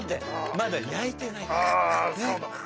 まだ焼いてないから！